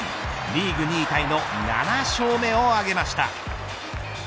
リーグ２位タイの７勝目を挙げました。